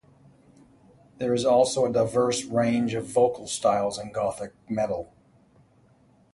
There is also a diverse range of vocal styles in gothic metal.